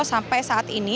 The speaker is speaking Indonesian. sampai saat ini